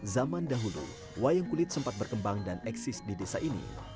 zaman dahulu wayang kulit sempat berkembang dan eksis di desa ini